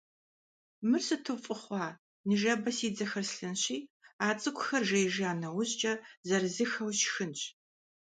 Мыр сыту фӀы хъуа! Ныжэбэ си дзэхэр слъынщи, а цӀыкӀухэр жеижа нэужькӀэ, зэрызыххэу сшхынщ.